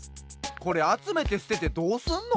これあつめてすててどうすんの？